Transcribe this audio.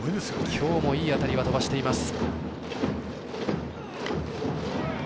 きょうもいい当たり飛ばしています。